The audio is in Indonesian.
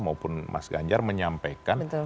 maupun mas ganjar menyampaikan